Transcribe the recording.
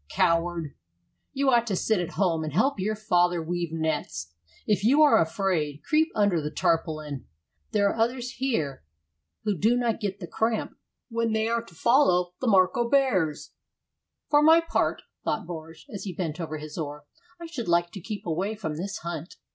"Coward! You ought to sit at home and help your father weave nets. If you are afraid, creep under the tarpaulin; there are others here who do not get the cramp when they are to follow the Mörkö Bears." "For my part," thought Börje, as he bent over his oar, "I should like to keep away from this hunt.